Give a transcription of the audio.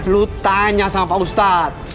lu tanya sama pak ustadz